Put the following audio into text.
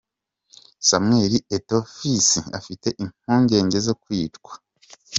Samweli Eto’o Fisi afite impungenge zo kwicwa